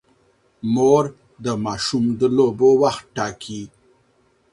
مور د ماشوم د لوبو وخت ټاکي.